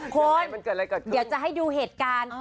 คุณเดี๋ยวจะให้ดูเหตุการณ์